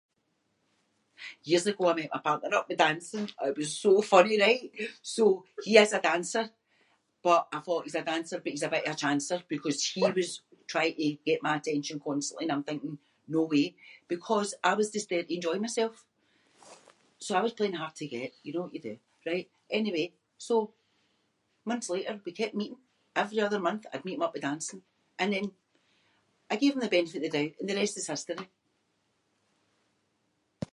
Years ago I met my partner up the dancing- oh it was so funny, right! So he is a dancer but I thought he is a dancer but he’s a bit of a chancer because he was trying to get my attention constantly and I’m thinking no way because I was just there to enjoy myself. So I was playing hard to get, you know what you do, right. Anyway, so months later we kept meeting. Every other month I’d meet him up the dancing and then I gave him the benefit of the doubt and the rest is history.